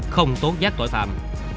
không tố giác tội phạm